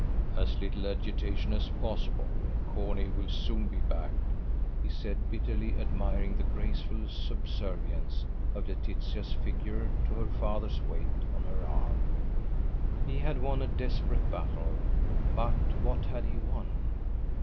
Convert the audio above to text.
"As little agitation as possible. Corney will soon be back," he said, bitterly admiring the graceful subservience of Laetitia's figure to her father's weight on her arm. He had won a desperate battle, but what had he won?